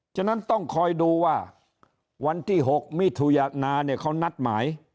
ฉะนั้นต้องคอยดูว่าวันที่๖มิถุยานาเนี่ยเขานัดหมาย